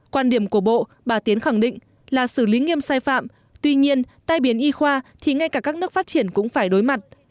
quan điểm của bộ bà tiến khẳng định là xử lý nghiêm sai phạm tuy nhiên tai biến y khoa thì ngay cả các nước phát triển cũng phải đối mặt